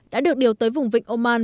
và đã được điều tới vùng vịnh oman